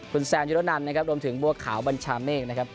คุณแซนยูโรนัลรวมถึงวัวขาวบัญชาเมฆนะครับ